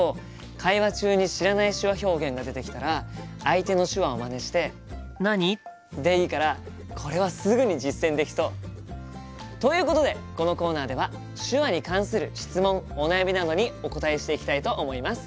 会話中に知らない手話表現が出てきたら相手の手話をまねして「何？」でいいからこれはすぐに実践できそう。ということでこのコーナーでは手話に関する質問お悩みなどにお答えしていきたいと思います！